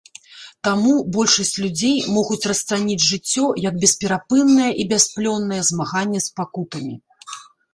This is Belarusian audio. Таму большасць людзей могуць расцаніць жыццё як бесперапыннае і бясплённае змаганне з пакутамі.